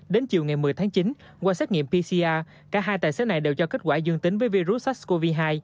đến chiều ngày một mươi tháng chín qua xét nghiệm pcr cả hai tài xế này đều cho kết quả dương tính với virus sars cov hai